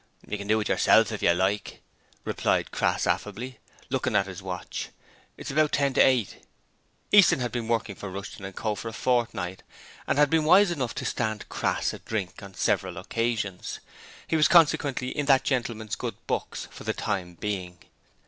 'You can do it yourself if you like,' replied Crass affably, looking at his watch. 'It's about ten to eight.' Easton had been working for Rushton & Co. for a fortnight, and had been wise enough to stand Crass a drink on several occasions: he was consequently in that gentleman's good books for the time being.